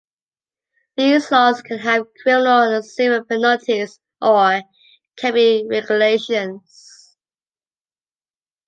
These laws can have criminal or civil penalties or can be regulations.